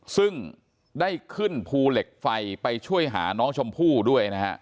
ซึ่งได้ขึ้นภูเหล็กไฟไปช่วยหาน้องชมพู่ด้วยนะฮะ